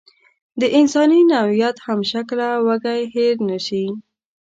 د انساني نوعیت همشکله وږی هېر نشي.